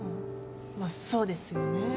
まあそうですよね。